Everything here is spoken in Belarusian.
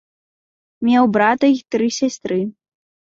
Меў брата й тры сястры.